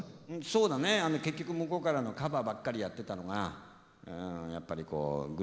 そうだね結局向こうからのカバーばっかりやってたのがやっぱりこうグループで曲を作って。